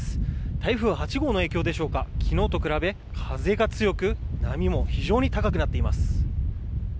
台風８号の影響でしょうか昨日と比べ、風が強く波も非常に高くなっています。